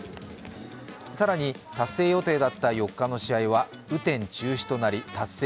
更に達成予定だった４日の試合は雨天中止となり達成